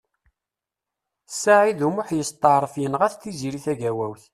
Saɛid U Muḥ yesṭeɛref yenɣa Tiziri Tagawawt.